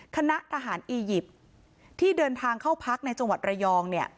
คณะทหารอียิปต์ที่เดินทางเข้าพักในจังหวัดระยองเนี่ย